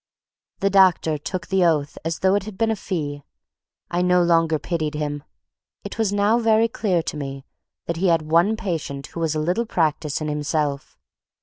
The doctor took the oath as though it had been a fee. I no longer pitied him. It was now very clear to me that he had one patient who was a little practice in himself.